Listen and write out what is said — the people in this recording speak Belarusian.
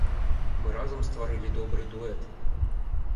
Мы разам стварылі добры дуэт.